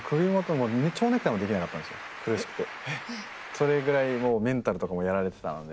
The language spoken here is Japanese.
それぐらいもうメンタルとかもやられてたので。